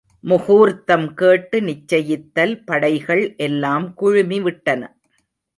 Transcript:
முகூர்த்தம் கேட்டு நிச்சயித்தல் படைகள் எல்லாம் குழுமிவிட்டன.